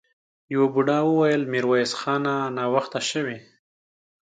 يوه بوډا وويل: ميرويس خانه! ناوخته شوې!